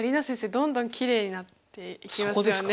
どんどんきれいになっていきますよね。